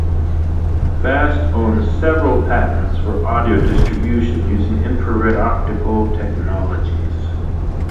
Fast owns several patents for audio distribution using infrared optical technologies.